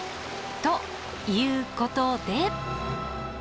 ということで。